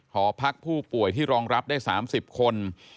หอพักผู้ป่วยที่รองรับได้๓๐คน